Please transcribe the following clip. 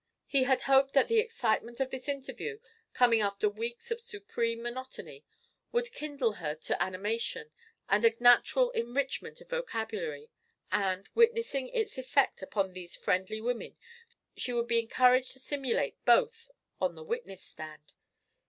He had hoped that the excitement of this interview, coming after weeks of supreme monotony, would kindle her to animation and a natural enrichment of vocabulary; and, witnessing its effect upon these friendly women, she would be encouraged to simulate both on the witness stand.